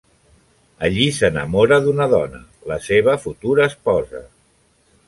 Allí s'enamora d'una dona, la seva futura esposa.